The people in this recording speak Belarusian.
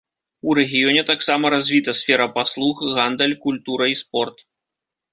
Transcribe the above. У рэгіёне таксама развіта сфера паслуг, гандаль, культура і спорт.